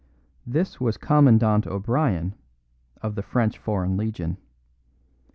This was Commandant O'Brien, of the French Foreign Legion.